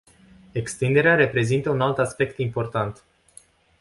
Extinderea reprezintă un alt aspect important.